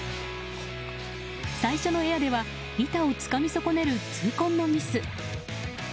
最初のエアでは板をつかみ損ねる痛恨のミス。